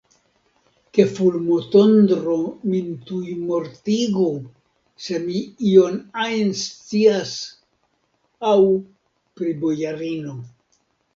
Ke fulmotondro min tuj mortigu, se mi ion ajn scias aŭ pri bojarino!